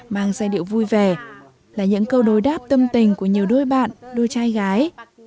mang giai điệu vui vẻ là những câu đối đáp tâm tình của nhiều đôi bạn đôi trai gái